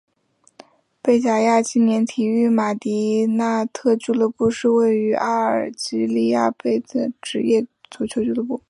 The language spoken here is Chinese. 贝贾亚青年体育马迪纳特俱乐部是位于阿尔及利亚贝贾亚的职业足球俱乐部。